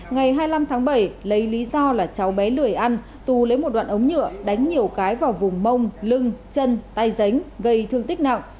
ngày hai mươi năm tháng bảy lấy lý do là cháu bé lười ăn tú lấy một đoạn ống nhựa đánh nhiều cái vào vùng mông lưng chân tay ránh gây thương tích nặng